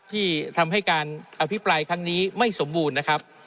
ที่ทำให้การอภิปรายครั้งนี้ไม่สมบูรณ์นะครับ